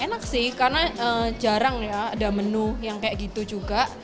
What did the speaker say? enak sih karena jarang ya ada menu yang kayak gitu juga